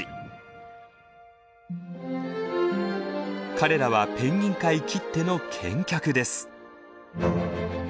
彼らはペンギン界きっての健脚です。